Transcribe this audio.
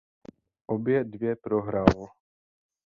Obě dvě prohrál.